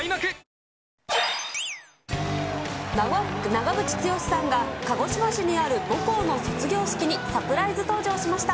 長渕剛さんが鹿児島市にある母校の卒業式にサプライズ登場しました。